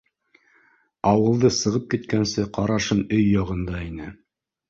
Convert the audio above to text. Ауылды сығып киткәнсе, ҡарашым өй яғында ине.